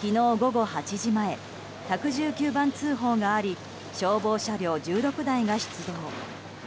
昨日午後８時前１１９番通報があり消防車両１６台が出動。